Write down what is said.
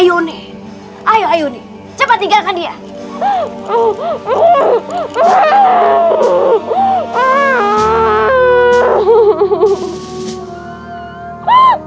ini ayo ayo cepat tinggalkan dia jauh jauh